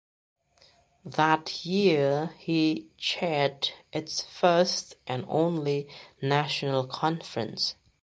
That year he chaired its first (and only) national conference.